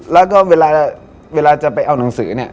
แล้วก็เวลาจะไปเอาหนังสือเนี่ย